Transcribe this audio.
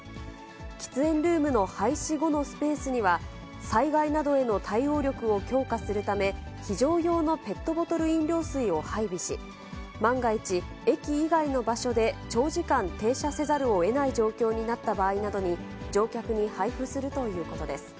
喫煙ルームの廃止後のスペースには、災害などへの対応力を強化するため、非常用のペットボトル飲料水を配備し、万が一、駅以外の場所で長時間停車せざるをえない状況になった場合などに、乗客に配布するということです。